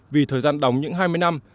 vì thời gian đóng những hai mươi năm